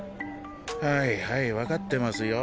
はいはい分かってますよ